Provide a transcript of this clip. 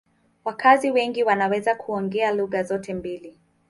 Wakazi wengi wanaweza kuongea lugha zote mbili.